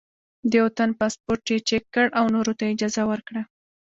د یوه تن پاسپورټ یې چیک کړ او نورو ته یې اجازه ورکړه.